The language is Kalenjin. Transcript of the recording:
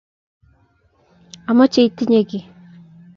amoche itinye kii.